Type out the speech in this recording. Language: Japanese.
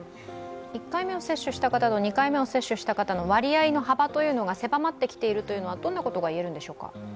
１回目を接種した方と２回目を接種した方の割合の幅が狭まってきているというのはどんなことが言えるんでしょうか？